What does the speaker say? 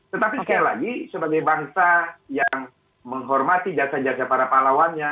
tetapi sekali lagi sebagai bangsa yang menghormati jasa jasa para pahlawannya